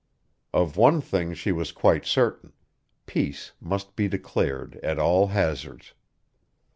Of one thing she was quite certain; peace must be declared at all hazards.